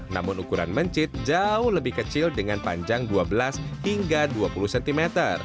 namun ukuran mencit jauh lebih kecil dengan panjang dua belas hingga dua puluh cm